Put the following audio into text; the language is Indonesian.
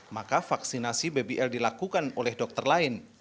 maka vaksinasi baby l dilakukan oleh dokter lain